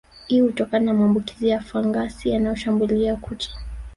Hii hutokana na maambukizi ya fangasi yanayoshambulia kucha